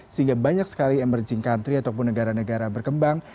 sehingga banyak sekali emerging country ataupun negara negara berkembang